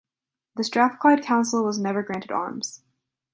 The Strathclyde council was never granted arms.